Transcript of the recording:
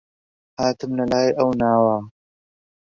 هاتم لە لای ئەو ناوە